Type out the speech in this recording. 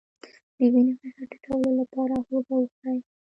د وینې فشار ټیټولو لپاره هوږه وخورئ